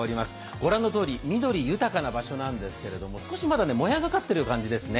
ご覧のとおり緑豊かな場所なんですけれども少しまだもやがかっている状態ですね。